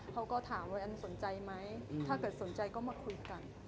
เขาก็ถามว่าแอนสนใจไหมถ้าเกิดสนใจก็มาคุยกัน